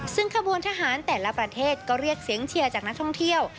ซึ่งขบวนทหารแต่ละประเทศก็เรียกเสียงเชียร์จากนักท่องเที่ยว